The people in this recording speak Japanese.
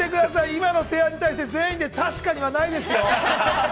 今の提案に対して全員で確かにはないですよ。